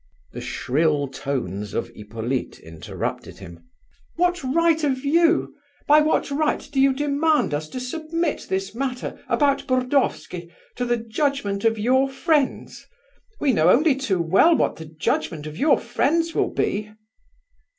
The shrill tones of Hippolyte interrupted him. "What right have you... by what right do you demand us to submit this matter, about Burdovsky... to the judgment of your friends? We know only too well what the judgment of your friends will be!..."